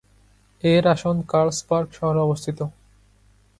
এর আসন কার্লসবার্গ শহরে অবস্থিত।